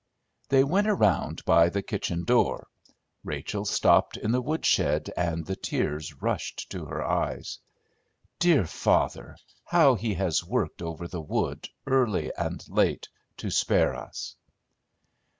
They went around by the kitchen door. Rachel stopped in the woodshed, and the tears rushed to her eyes. "Dear father! How he has worked over that wood, early and late, to spare us!"